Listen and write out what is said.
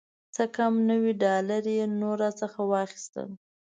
څه کم نوي ډالره یې نور راڅخه واخیستل.